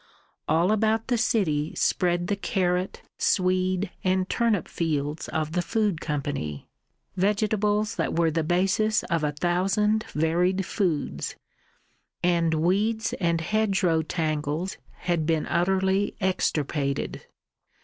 All about the city spread the carrot, swede, and turnip fields of the Food Company, vegetables that were the basis of a thousand varied foods, and weeds and hedgerow tangles had been utterly extirpated.